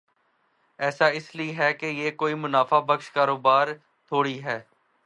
ایسا اس لئے ہے کہ یہ کوئی منافع بخش کاروبار تھوڑی ہے۔